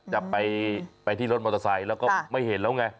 จะไปที่รถมอเตอร์ไซค์แล้วก็ไม่เห็นแล้วไง